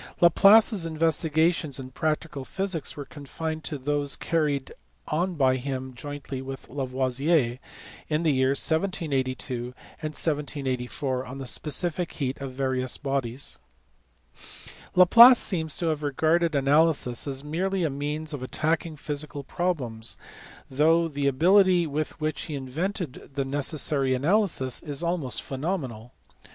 Laplace s investigations in practical physics were confined to those carried on by him jointly with Lavoisier in the years 1782 to 1784 on the specific heat of various bodies. Laplace seems to have regarded analysis merely as a means of attacking physical problems, though the ability with which he invented the necessary analysis is almost phenomenal.